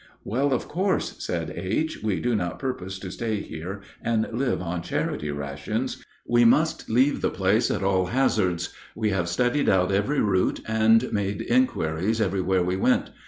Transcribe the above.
'" "Well, of course," said H., "we do not purpose to stay here and live on charity rations. We must leave the place at all hazards. We have studied out every route and made inquiries everywhere we went.